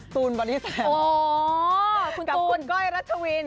ทูลบอนิสัยหรอคุณกดตุ่นกับคุณก้อยรัชวิน